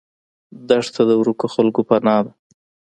دښته د ورکو خلکو پناه ده.